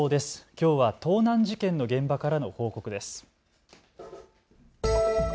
きょうは盗難事件の現場からの報告です。